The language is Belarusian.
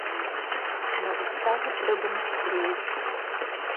На выставу трэба настроіцца.